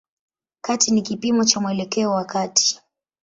Kati ni kipimo cha mwelekeo wa kati.